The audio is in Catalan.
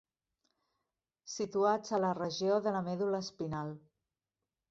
Situats a la regió de la medul·la espinal.